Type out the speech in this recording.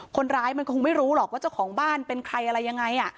คนร้ายมันคงไม่รู้หรอกว่าเจ้าของบ้านเป็นใครอะไรยังไง